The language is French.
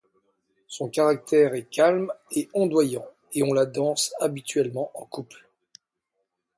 Son caractère est calme et ondoyant et on la danse habituellement en couple.